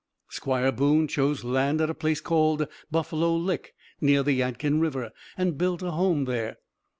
Squire Boone chose land at a place called Buffalo Lick near the Yadkin River, and built a home there.